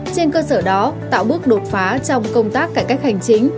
trên cơ sở đó tạo bước đột phá trong công tác cải cách hành chính